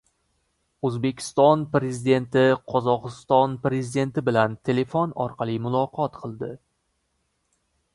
O‘zbekiston Prezidenti Qozog‘iston Prezidenti bilan telefon orqali muloqot qildi